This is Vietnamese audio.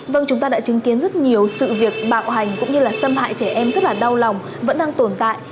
vâng chúng ta đã chứng kiến rất nhiều sự việc bạo hành cũng như là xâm hại trẻ em rất là đau lòng vẫn đang tồn tại